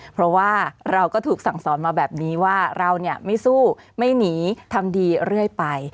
เพราะว่าเราก็ถูกสั่งสอนมาแบบนี้ว่าเราไม่สู้ไม่หนีทำดีเรื่อยไป